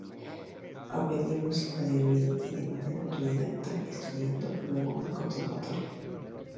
Aprendió música de oído y de manera autodidacta, estudiando luego en el Conservatorio.